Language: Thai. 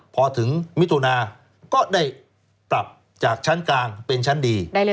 พอถึงมิถุนาก็ได้ปรับจากชั้นกลางเป็นชั้นดี